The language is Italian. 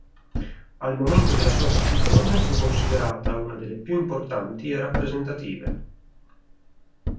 Al momento della sua costruzione fu considerata una delle più importanti e rappresentative.